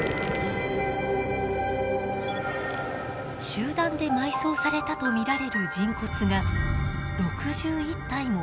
集団で埋葬されたと見られる人骨が６１体も見つかりました。